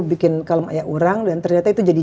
bikin kalem ayak urang dan ternyata itu jadi